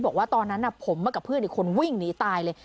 บอกว่าตอนนั้นผมมากับเพื่อนอีกคนวิ่งหนีตายเลย